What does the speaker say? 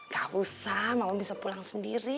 gak usah mama bisa pulang sendiri